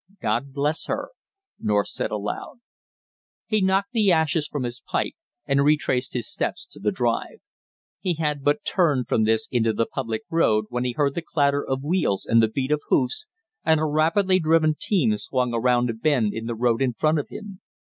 "God bless her!" North said aloud. He knocked the ashes from his pipe, and retraced his steps to the drive. He had but turned from this into the public road when he heard the clatter of wheels and the beat of hoofs, and a rapidly driven team swung around a bend in the road in front of him.